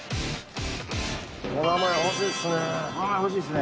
お名前欲しいですね。